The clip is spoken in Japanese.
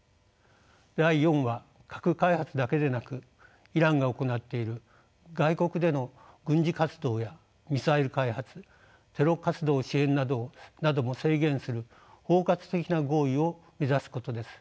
第４は核開発だけでなくイランが行っている外国での軍事活動やミサイル開発テロ活動支援なども制限する包括的な合意を目指すことです。